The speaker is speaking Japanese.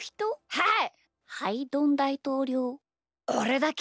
はい！